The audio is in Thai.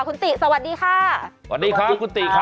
คุณติสวัสดีค่ะคุณติครับสวัสดีค่ะ